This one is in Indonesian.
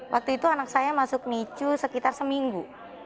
waktu itu anak saya masuk micu sekitar seminggu